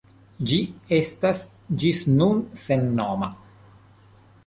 Ĝi estas ĝis nun sennoma.